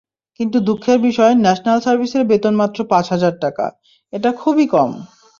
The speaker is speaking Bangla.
কিন্তু দুঃখের বিষয়, ন্যাশনাল সার্ভিসের বেতন মাত্র পাঁচ হাজার টাকা, এটা খুবই কম।